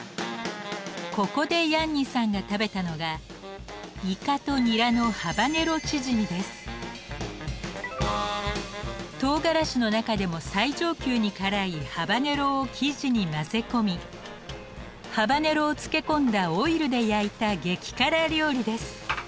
ここでヤンニさんが食べたのがとうがらしの中でも最上級に辛いハバネロを生地に混ぜこみハバネロを漬け込んだオイルで焼いた激辛料理です。